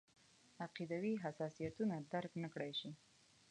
عقیدوي حساسیتونه درک نکړای شي.